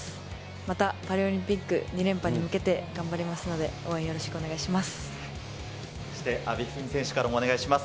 また、パリオリンピック、２連覇に向けて、頑張りますので、応援よろしくお願いします。